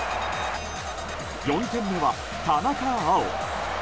４点目は田中碧。